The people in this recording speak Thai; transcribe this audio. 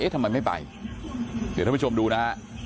ทำไมไม่ไปเดี๋ยวท่านผู้ชมดูนะฮะ